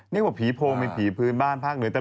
นี่บอกผีโพงในผีบ้านพราทอื่น